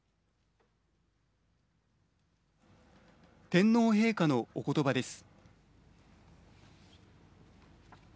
天皇陛下のおことばです。